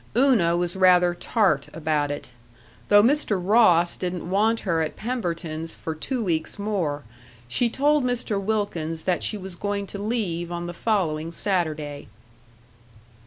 Una was rather tart about it. Though Mr. Ross didn't want her at Pemberton's for two weeks more, she told Mr. Wilkins that she was going to leave on the following Saturday.